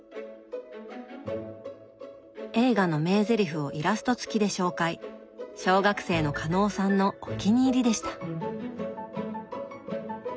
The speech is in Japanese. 映画の名ゼリフをイラストつきで紹介小学生の加納さんのお気に入りでした。